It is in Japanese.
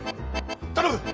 頼む！